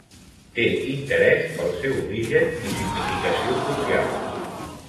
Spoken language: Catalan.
Té interès pel seu origen i significació social.